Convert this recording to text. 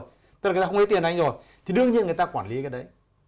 tức là người ta không lấy tiền anh rồi thì đương nhiên người ta quản lý cái đấy